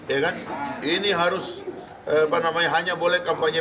ya kan ini harus apa namanya hanya boleh kampanye